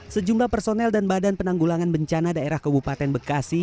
sejumlah personel dan badan penanggulangan bencana daerah kabupaten bekasi